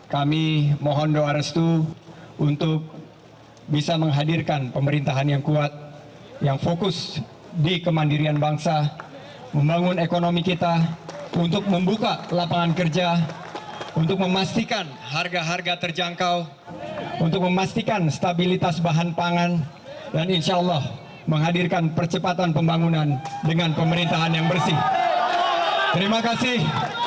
kami mohon doa restu untuk bisa menghadirkan pemerintahan yang kuat yang fokus di kemandirian bangsa membangun ekonomi kita untuk membuka lapangan kerja untuk memastikan harga harga terjangkau untuk memastikan stabilitas bahan pangan dan insya allah menghadirkan percepatan pembangunan dengan pemerintahan yang bersih